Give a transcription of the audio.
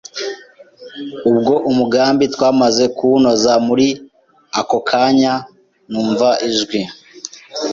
ubwo umugambi twamaze kuwunoza, muri ako kanya numva ijwi